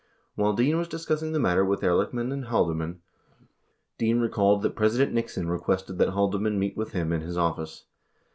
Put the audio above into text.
While Dean was dis cussing the matter with Ehrlichman and Haldeman, Dean recalled that President Nixon requested that Haldeman meet with him in his office.